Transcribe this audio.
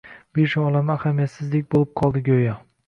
Birja olami ahamiyatsizdek bo`lib qoldi, go`yo